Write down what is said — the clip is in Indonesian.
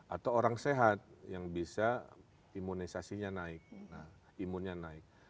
atau orang sehat yang bisa imunisasinya naik